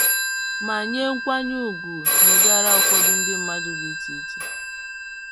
ma nye nkwanye ugwu nyegara ụfọdụ ndị mmadụ dị iche iche